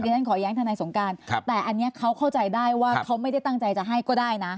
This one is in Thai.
ฉันขอแย้งทนายสงการแต่อันนี้เขาเข้าใจได้ว่าเขาไม่ได้ตั้งใจจะให้ก็ได้นะ